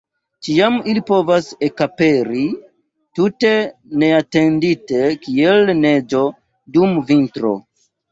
Ĉiam ili povas ekaperi, tute neatendite, kiel neĝo dum vintro!